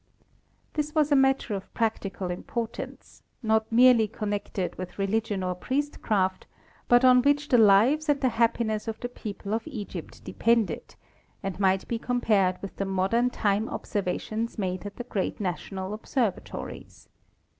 This was a matter of practical importance, not merely connected with religion or priestcraft, but on which the lives and the happiness of the people of Egypt depended, and might be compared with the modern time observations made at the great national observatories.